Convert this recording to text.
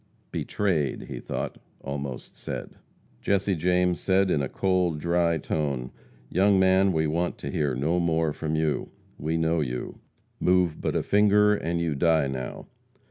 "Betrayed," he thought, almost said. Jesse James said, in a cold, dry tone: "Young man, we want to hear no more from you. We know you. Move but a finger and you die now.